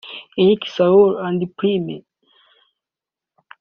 Eric Soul&Prime